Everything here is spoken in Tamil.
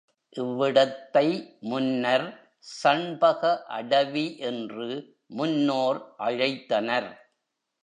இவ்விடத்தை முன்னர் சண்பக அடவி என்று முன்னோர் அழைத்தனர்.